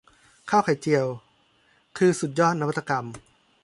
ข้าวไข่เจียว คือสุดยอดนวัตกรรม